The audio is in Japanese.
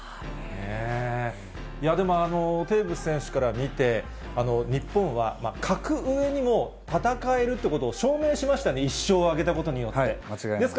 でもテーブス選手から見て、日本は格上にも戦えるということを証明しましたよね、１勝挙げた間違いないです。